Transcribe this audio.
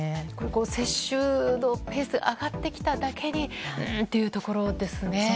接種のペースが上がってきただけにうーんというところですね。